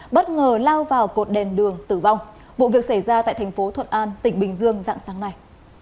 bất ngờ lao vào cột đèn đường tử vong vụ việc xảy ra tại thành phố thuận an tỉnh bình dương dạng sáng nay